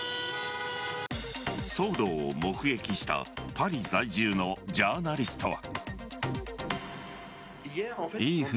騒動を目撃したパリ在住のジャーナリストは。